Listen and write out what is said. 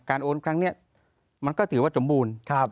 การโอนครั้งนี้มันก็ถือว่าจมูล